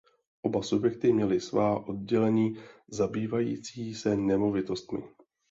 Oba subjekty měly svá oddělení zabývající se nemovitostmi.